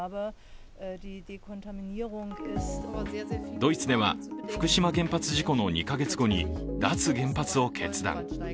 ドイツでは、福島原発事故の２か月後に脱原発を決断。